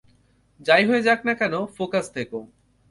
যাই হয়ে যাক না কেন, ফোকাস থেকো।